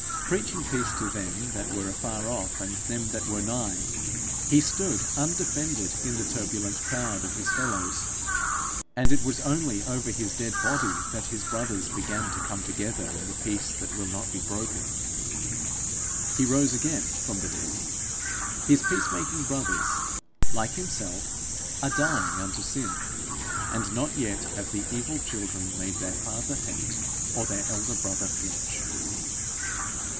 Preaching peace to them that were afar off and them that were nigh, he stood undefended in the turbulent crowd of his fellows, and it was only over his dead body that his brothers began to come together in the peace that will not be broken. He rose again from the dead; his peace making brothers, like himself, are dying unto sin; and not yet have the evil children made their father hate, or their elder brother flinch.